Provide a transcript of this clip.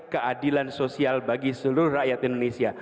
keadilan sosial bagi seluruh rakyat indonesia